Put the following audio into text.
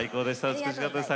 美しかったです。